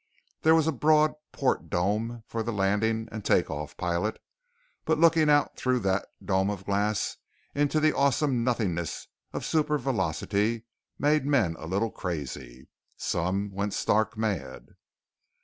There was a broad port dome for the landing and take off pilot, but looking out through that dome of glass into the awesome nothingness of supervelocity made men a little bit crazy. Some went stark mad.